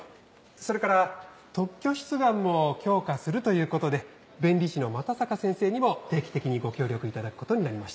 それから特許出願も強化するということで弁理士の又坂先生にも定期的にご協力いただくことになりました。